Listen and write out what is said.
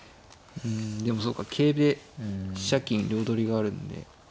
うんでもそうか桂で飛車金両取りがあるんで。